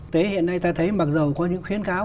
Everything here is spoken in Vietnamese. thế hiện nay ta thấy mặc dù có những khuyến cáo